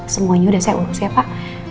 semuanya udah saya urus ya pak